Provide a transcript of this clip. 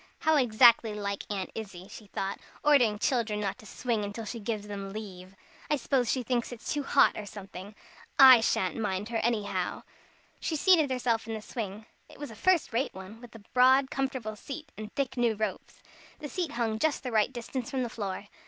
"How exactly like Aunt Izzie," she thought, "ordering the children not to swing till she gives them leave. I suppose she thinks it's too hot, or something. I sha'n't mind her, anyhow." She seated herself in the swing. It was a first rate one, with a broad, comfortable seat, and thick new ropes. The seat hung just the right distance from the floor.